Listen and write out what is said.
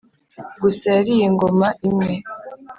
gusa yariye ingoma imwe